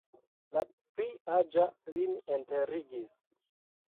La pli aĝa lin enterigis.